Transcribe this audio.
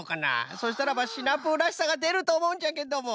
そしたらばシナプーらしさがでるとおもうんじゃけども。